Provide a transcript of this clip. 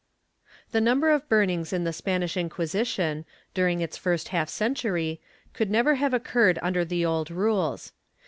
The number of burnings in the Spanish Inquisition, during its first half century, could never have occurred under the old rules.